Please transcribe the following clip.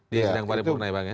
di sidang paripurna ya bang ya